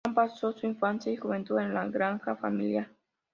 Juan pasó su infancia y juventud en la granja familiar.